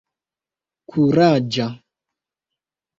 kuraĝa